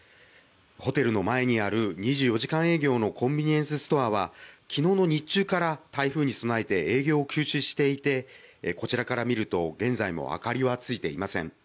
ホテルの前にある２４時間営業のコンビニエンスストアは、きのうの日中から台風に備えて営業を休止していて、こちらから見ると、現在も明かりはついていません。